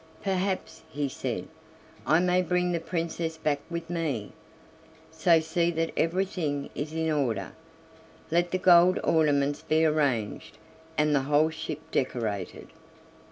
"Perhaps," he said, "I may bring the Princess back with me, so see that everything is in order; let the gold ornaments be arranged and the whole ship decorated."